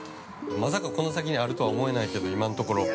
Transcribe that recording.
◆まさかこの先にあるとは思えないけど、今のところ。